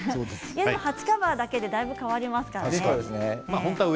鉢カバーだけで変わりますからね。